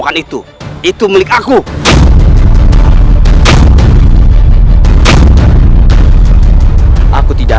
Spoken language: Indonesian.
kamu beli kape guys